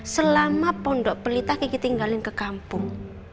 selama pondok pelita kiki tinggalin ke kampung